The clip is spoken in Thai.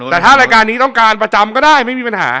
แต่ถ้ารายการนี้ต้องการประจำก็ได้ไม่มีปัญหา